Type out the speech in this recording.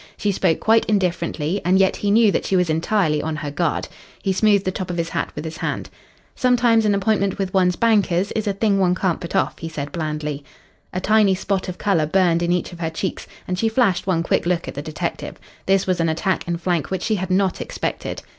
She spoke quite indifferently, and yet he knew that she was entirely on her guard. He smoothed the top of his hat with his hand. "Sometimes an appointment with one's bankers is a thing one can't put off," he said blandly. A tiny spot of colour burned in each of her cheeks and she flashed one quick look at the detective. This was an attack in flank which she had not expected.